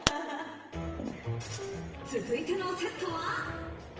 続いてのセットは？